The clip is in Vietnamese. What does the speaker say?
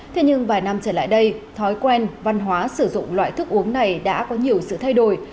thế nhưng vài năm trở lại đây thói quen văn hóa sử dụng loại thức uống này đã có nhiều sự thay đổi